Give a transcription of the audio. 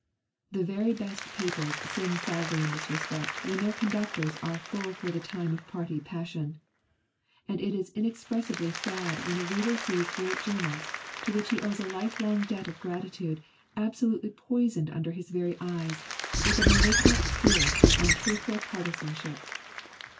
The very best papers sin sadly in this respect when their conductors are full for the time of party passion. And it is inexpressibly sad when a reader sees great journals to which he owes a lifelong debt of gratitude absolutely poisoned under his very eyes with the malignant spirit of untruthful partisanship.